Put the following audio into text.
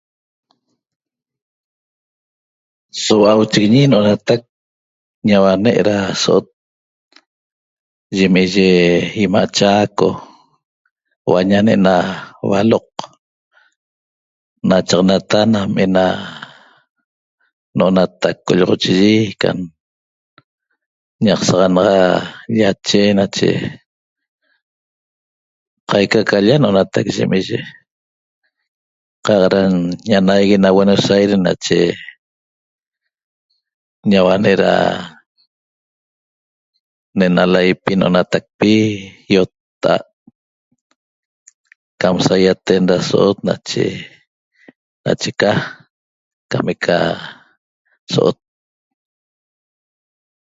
So hua'auchiguiñi no'onatac ñauane' ra so'ot yem iye ima' Chaco huaña ne'ena hualoq nachaqnata nam ena no'onatac qolloxochiyi ca ñaq saxanaxa llache nache qaica ca l-lla no'onatac yem iye qaq ra ñanaigue na Buenos Aires nache ñauane' ra ne'ena laipi no'onatacpi iotta'at cam saiaten ra so'ot nache ca cam eca so'ot